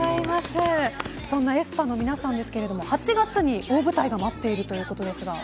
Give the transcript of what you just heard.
そんなａｅｓｐａの皆さんですが８月に大舞台が待っているということですが。